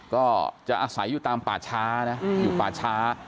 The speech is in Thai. ก็จะอาศัยอยู่ตามป่าช้านะอยู่ป่าช้า